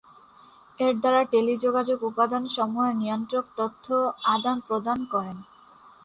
এর দ্বারা টেলিযোগাযোগ উপাদান সমুহের নিয়ন্ত্রক তথ্য আদান প্রদান করে।